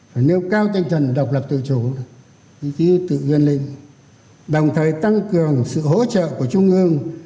phải nêu cao tinh thần độc lập tự chủ ý thức tự ghiên linh đồng thời tăng cường sự hỗ trợ của trung hương